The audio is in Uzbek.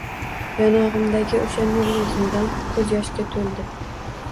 Yonog’imdagi o’sha nurli zindon ko’zyoshga to’ldi.